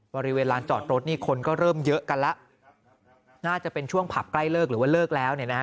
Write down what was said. บริเวณลานจอดรถนี่คนก็เริ่มเยอะกันแล้วน่าจะเป็นช่วงผับใกล้เลิกหรือว่าเลิกแล้วเนี่ยนะฮะ